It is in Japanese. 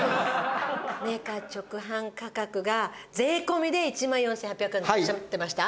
メーカー直販価格が税込で１万４８００円っておっしゃってました？